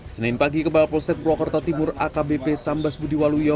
senin pagi kepala polsek purwokerto timur akbp sambas budiwaluyo